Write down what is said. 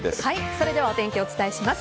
それではお天気をお伝えします。